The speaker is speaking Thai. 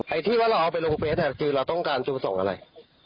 ไอที่ว่าเราเอาเป็นลูกเพชรเราต้องการจุบส่งอะไร